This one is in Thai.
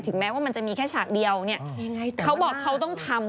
แม้ว่ามันจะมีแค่ฉากเดียวเนี่ยเขาบอกเขาต้องทำ